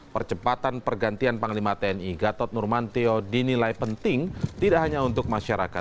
percepatan pergantian panglima tni gatot nurmantio dinilai penting tidak hanya untuk masyarakat